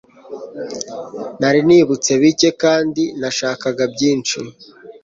nari nibutse bike kandi nashakaga byinshi